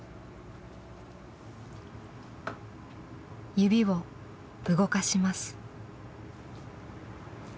指を動かします。